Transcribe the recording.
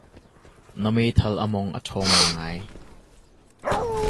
Na meithal a mong a ṭhawng ngaingai.